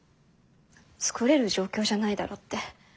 「作れる状況じゃないだろ」って。